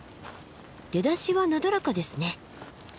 出だしはなだらかですね。